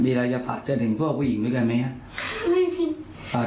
มีอะไรจะฝากถึงคนโรคติดมั้ยครับ